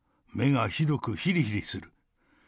目がひどくひりひりする。